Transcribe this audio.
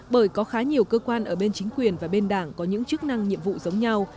bởi có khá nhiều cơ quan ở bên chính quyền và bên đảng có những chức năng nhiệm vụ giống nhau